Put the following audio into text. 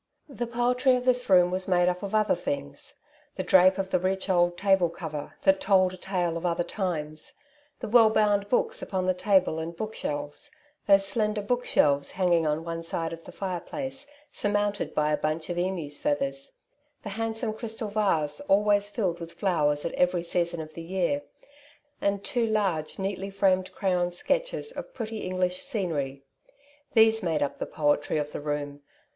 The poetry of this room was made up of other things. The drape of the rich old table cover, that told a tale of other times ; the well bound books upon the table and bookshelves ; those slender bookshelves hanging on one side of the fireplace, surmounted by a bunch of emu's feathers ; the handsome crystal vase always filled with flowers at every season of the year ; and two large neatly framed crayon sketches of pretty English scenery; — these made up the poetry of the room.